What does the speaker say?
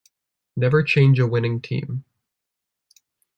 Never change a winning team.